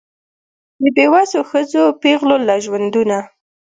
د بېوسو ښځو پېغلو له ژوندونه